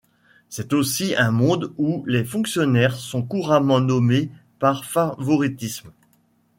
C'est aussi un monde où les fonctionnaires sont couramment nommés par favoritisme.